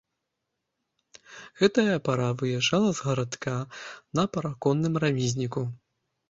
Гэтая пара выязджала з гарадка на параконным рамізніку.